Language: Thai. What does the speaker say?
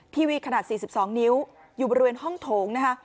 ทีวีขนาด๔๒นิ้วอยู่บริเวณห้องโถงนะคะ